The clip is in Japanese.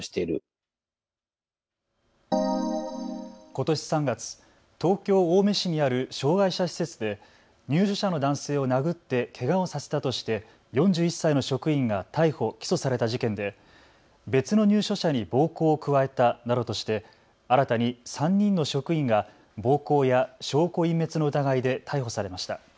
ことし３月、東京青梅市にある障害者施設で入所者の男性を殴ってけがをさせたとして４１歳の職員が逮捕・起訴された事件で別の入所者に暴行を加えたなどとして新たに３人の職員が暴行や証拠隠滅の疑いで逮捕されました。